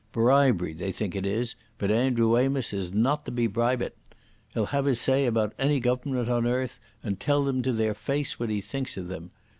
Bribery, they think it is, but Andrew Amos is not to be bribit. He'll have his say about any Goavernment on earth, and tell them to their face what he thinks of them.